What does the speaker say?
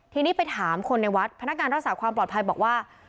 ทีนี้ไปถามคนในวัดพนักงานรักษาความปลอดภัยบอกว่า